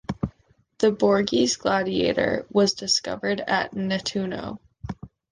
The "Borghese Gladiator" was discovered at Nettuno.